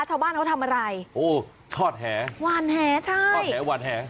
ชาวบ้านเขาทำอะไรโอ้ทอดแหหวานแหใช่ทอดแหหวานแห